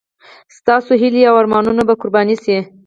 ستاسو هیلې او ارمانونه به قرباني شي.